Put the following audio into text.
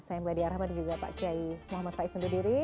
saya mbak diyarahman dan juga pak gey muhammad faiz mbidiri